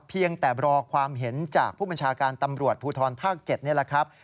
เพียงแต่รอความเห็นจากผู้บัญชาการตำรวจภูทรภาค๗นี่แหละครับ